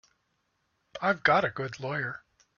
I've got a good lawyer.